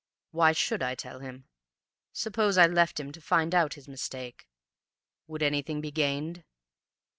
Why should I tell him? Suppose I left him to find out his mistake ... would anything be gained?